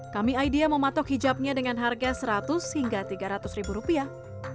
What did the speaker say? kami idea mematok hijabnya dengan harga seratus hingga tiga ratus ribu rupiah